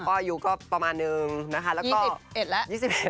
ก็อายุก็ประมาณนึงนะคะแล้วก็๑๑แล้ว